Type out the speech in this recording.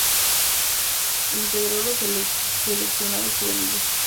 Integró los seleccionados juveniles.